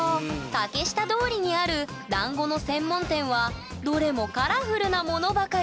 竹下通りにあるだんごの専門店はどれもカラフルなものばかり。